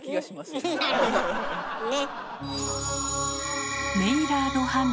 ねっ。